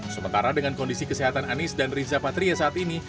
sementara dengan kondisi kesehatan anies dan riza patria saat ini